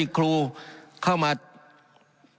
การปรับปรุงทางพื้นฐานสนามบิน